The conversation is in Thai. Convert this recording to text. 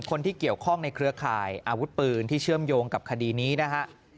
คนที่เกี่ยวข้องในเครือข่ายอาวุธปืนที่เชื่อมโยงกับคดีนี้นะฮะ